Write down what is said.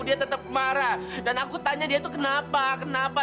dia tetap marah dan aku tanya dia itu kenapa kenapa